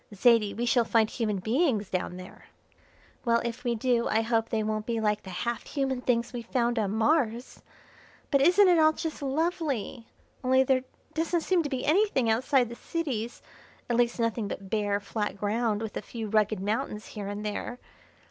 Zaidie, we shall find human beings down there." "Well, if we do I hope they won't be like the half human things we found on Mars! But isn't it all just lovely! Only there doesn't seem to be anything outside the cities, at least nothing but bare, flat ground with a few rugged mountains here and there.